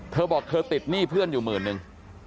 เธอบอกเธอติดหนี้เพื่อนหนึ่ง